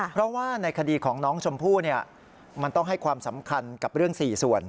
เพราะว่าในคดีของน้องชมพู่มันต้องให้ความสำคัญกับเรื่อง๔ส่วน